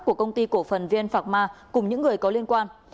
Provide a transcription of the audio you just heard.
của công ty cổ phần vn phạc ma cùng những người có liên quan